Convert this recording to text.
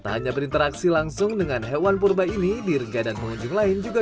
tak hanya berinteraksi langsung dengan hewan purba ini dirga dan pengunjung lain juga